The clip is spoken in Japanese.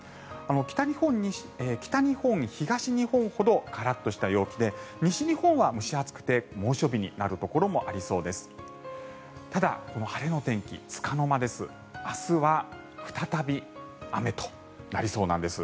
北日本、東日本ほどカラッとした陽気で西日本は蒸し暑くて猛暑日になるところもありそうです。